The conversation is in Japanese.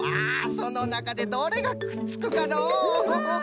そのなかでどれがくっつくかのう？